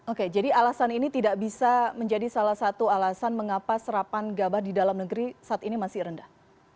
oke jadi alasan ini tidak bisa menjadi salah satu alasan mengapa serapan gabah di dalam negeri saat ini masih rendah